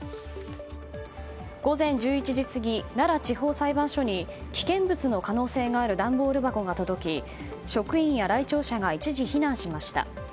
午前１１時過ぎ奈良地方裁判所に危険物の可能性がある段ボール箱が届き職員や来庁者が一時避難しました。